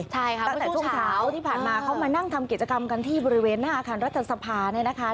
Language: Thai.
ใช่ค่ะตั้งแต่ช่วงเช้าที่ผ่านมาเขามานั่งทำกิจกรรมกันที่บริเวณหน้าอาคารรัฐสภาเนี่ยนะคะ